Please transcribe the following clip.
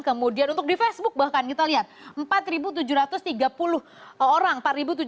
kemudian untuk di facebook bahkan kita lihat empat tujuh ratus tiga puluh orang